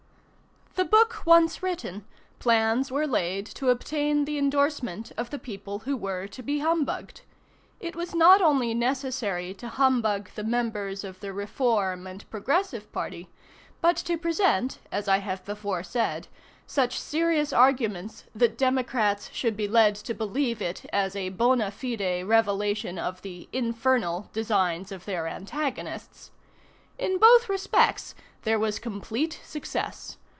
The Book once written, plans were laid to obtain the indorsement of the people who were to be humbugged. It was not only necessary to humbug the members of the Reform and Progressive party, but to present as I have before said such serious arguments that Democrats should be led to believe it as a bona fide revelation of the "infernal" designs of their antagonists. In both respects there was complete success.